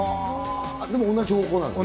でも、同じ方向なんですね。